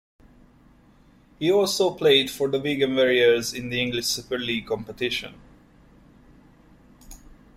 He also played for the Wigan Warriors in the English Super League competition.